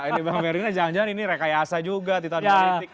ini bang ferdinand jangan jangan ini rekayasa juga titan politik